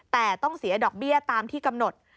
แต่ต้องเสียดอกเบี้ยตามที่กำหนด